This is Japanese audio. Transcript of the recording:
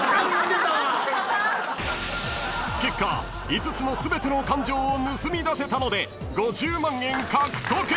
［結果５つの全ての感情を盗み出せたので５０万円獲得］